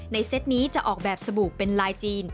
เซตนี้จะออกแบบสบู่เป็นลายจีน